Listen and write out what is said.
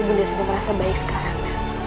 ibu nda sudah merasa baik sekarang